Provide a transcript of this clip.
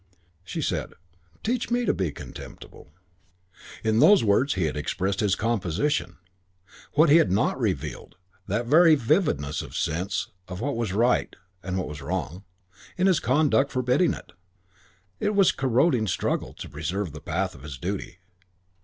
She said, "Teach me to be contemptible." V In those words he had expressed his composition. What he had not revealed that very vividness of sense of what was right (and what was wrong) in his conduct forbidding it was the corroding struggle to preserve the path of his duty.